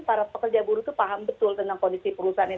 para pekerja buruh itu paham betul tentang kondisi perusahaan ini